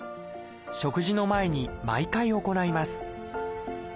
食事の前に毎回行います